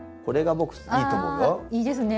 いいですね。